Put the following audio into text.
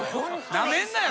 なめんなよ。